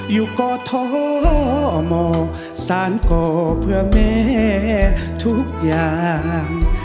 อยู่ก่อท้อหมอสารก่อเพื่อแม่ทุกอย่าง